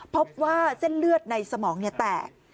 พบว่าเส้นเลือดในสมองแตก